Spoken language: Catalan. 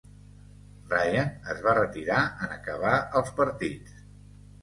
Ryan es va retirar en acabar els partits.